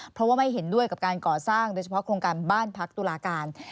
เพราะว่าไม่เห็นด้วยกับการก่อสร้างโดยเฉพาะโครงการบ้านพักตุลาการ